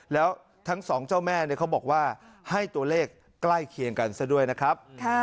แล้วทั้งสองเจ้าแม่เขาบอกว่าให้ตัวเลขใกล้เคียงกันซะด้วยนะครับ